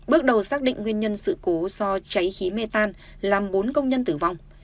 bước đầu xác định nguyên nhân sự cố do cháy khí mê tan làm bốn công nhân tử vong